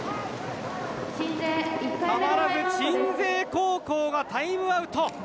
たまらず鎮西高校がタイムアウト。